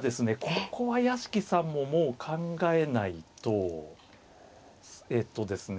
ここは屋敷さんももう考えないとえとですね